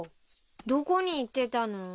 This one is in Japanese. どこに行ってたの？